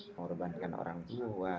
mengorbankan orang tua